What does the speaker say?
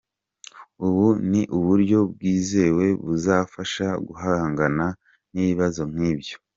Ubu ni uburyo bwizewe buzafasha guhangana n’ibibazo nk’ibyo.